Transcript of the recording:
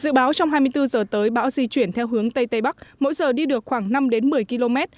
dự báo trong hai mươi bốn h tới bão di chuyển theo hướng tây tây bắc mỗi giờ đi được khoảng năm một mươi km